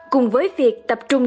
cùng với việc tập trung